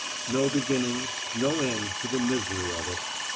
No beginning, no end to the misery of it.